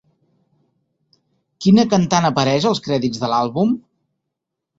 Quina cantant apareix als crèdits de l'àlbum?